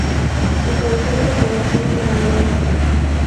Su cabecera es la población de Nadadores.